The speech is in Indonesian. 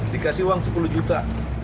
dikasih uang sepuluh juta